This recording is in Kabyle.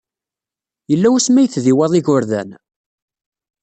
Yella wasmi ay tdiwaḍ igerdan?